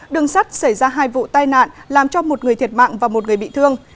đường sắt xảy ra hai vụ tai nạn làm cho một người thiệt mạng và một người bị thương